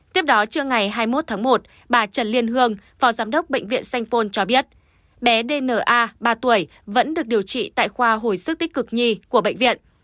tiếp đó trưa ngày hai mươi một tháng một bà trần liên hương phó giám đốc bệnh viện sanh pôn cho biết bé dna ba tuổi vẫn được điều trị tại khoa hồi sức tích cực nhi của bệnh viện